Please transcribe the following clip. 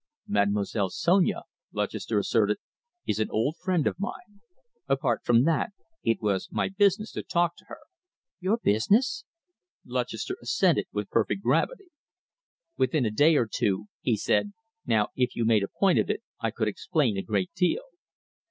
"Mademoiselle Sonia," Lutchester asserted, "is an old friend of mine. Apart from that, it was my business to talk to her." "Your business?" Lutchester assented with perfect gravity. "Within a day or two," he said, "now, if you made a point of it, I could explain a great deal."